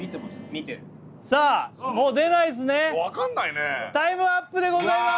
見てるさあもう出ないっすね分かんないねタイムアップでございます